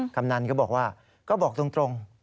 กำนันก็บอกว่าก็บอกตรง